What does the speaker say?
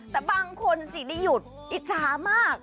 แต่บางคนสิได้หยุดอิจฉามาก